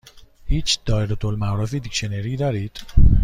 هیچ دائره المعارف دیکشنری دارید؟